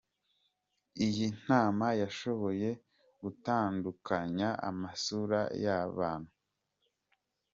Iyi ntama yashoboye gutandukanya amasura y’abantu.